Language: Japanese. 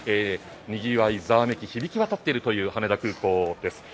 にぎわい、ざわめき響き渡っているという羽田空港です。